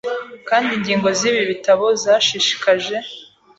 kandi ingingo z'ibi bitabo zashishikaje-